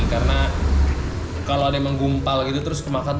karena kalau dia menggumpal gitu terus kemakan tuh gak enak